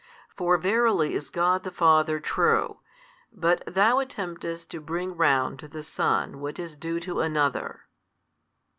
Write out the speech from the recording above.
For verily is God the Father true, but thou attemptest to bring round to the Son what is due to Another.